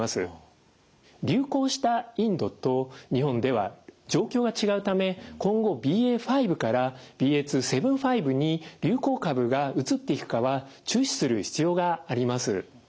流行したインドと日本では状況が違うため今後ＢＡ．５からＢＡ．２．７５に流行株が移っていくかは注視する必要があります。